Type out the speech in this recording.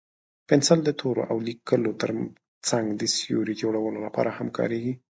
پنسل د تورو او لیکلو تر څنګ د سیوري جوړولو لپاره هم کارېږي.